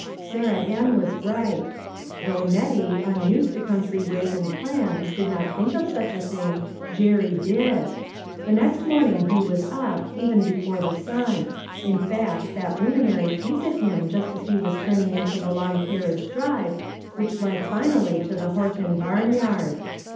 Sarah Ann was right ; though Nettie, unused to country ways and plans, did not think of such a thing, Jerry did. The next morning he was up, even before the sun ; in fact that luminary peeped at him just as he was turning into the long carriage drive which led finally to the Hor ton barnyard.